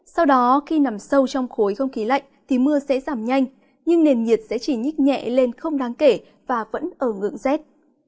sau đó khi nằm sâu trong khối không khí lạnh thì mưa sẽ giảm nhanh nhưng nền nhiệt sẽ chỉ nhích nhẹ lên không đáng kể và vẫn ở ngưỡng rét